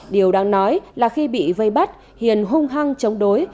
điều đáng nói là khi bị vây bắt hiền hung hăng chống đối